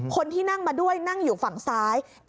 คนที่นั่งมาด้วยนั่งอยู่ฝั่งซ้าย